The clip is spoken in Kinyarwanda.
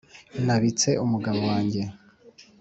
nabitse umugabo wanjye